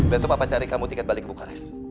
besok papa cari kamu tiket balik ke bukares